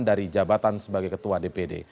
dari jabatan sebagai ketua dpd